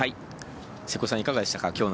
瀬古さん、いかがでしたか。